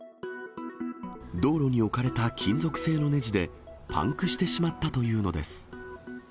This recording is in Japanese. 道路に置かれた金属製のねじで、パンクしてしまったというのです。